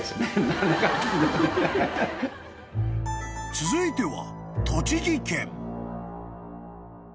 ［続いては］